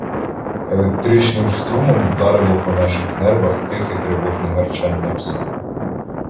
Електричним струмом вдарило по наших нервах тихе тривожне гарчання пса.